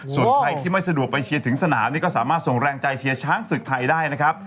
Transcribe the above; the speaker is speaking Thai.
ส่วนใครที่ไม่สะดวกไปเชียร์ถึงสนามนี่ก็สามารถส่งแรงใจเชียร์ช้างศึกไทยได้นะครับ